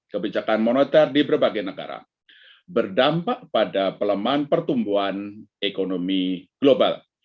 kebijakan moneter di berbagai negara berdampak pada pelemahan pertumbuhan ekonomi global